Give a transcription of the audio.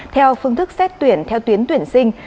theo phương thức xét tuyển theo tuyến tuyển sinh